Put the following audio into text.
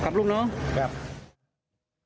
เพราะถูกทำร้ายเหมือนการบาดเจ็บเนื้อตัวมีแผลถลอก